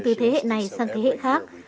từ thế hệ này sang thế hệ khác